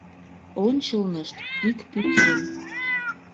Ончылнышт — ик пӱкен.